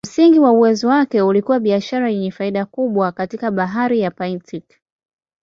Msingi wa uwezo wake ulikuwa biashara yenye faida kubwa katika Bahari ya Baltiki.